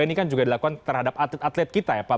ini kan juga dilakukan terhadap atlet atlet kita ya pak